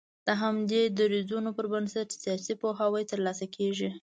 د همدې درځونو پر بنسټ سياسي پوهاوی تر لاسه کېږي